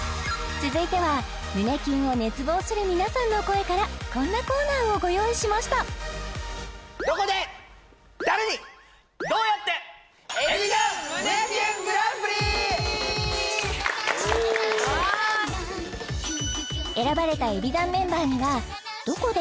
続いては胸キュンを熱望する皆さんの声からこんなコーナーをご用意しました選ばれたＥＢｉＤＡＮメンバーには「どこで」